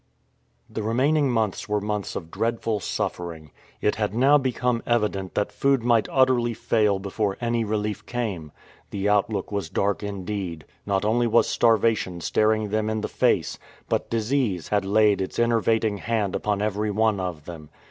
The remaining months were months of dreadful suffer 251 SEARCH AND DISCOVERY ing. It had now become evident that food might utterly fail before any relief came. The outlook was dark indeed. Not only was starvation staring them in the face, but disease had laid its enervating hand upon every one of them.